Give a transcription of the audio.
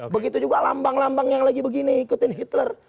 begitu juga lambang lambang yang lagi begini ikutin hitler